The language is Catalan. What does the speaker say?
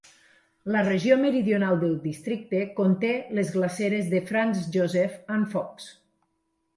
La regió meridional del districte conté les glaceres de Franz Josef and Fox.